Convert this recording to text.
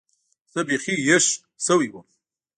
زه بيخي هېښ سوى وم.